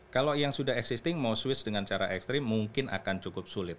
kalau yang sudah existing mau swiss dengan cara ekstrim mungkin akan cukup sulit